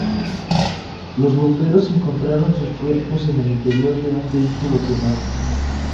Los bomberos encontraron sus cuerpos en el interior de un vehículo quemado.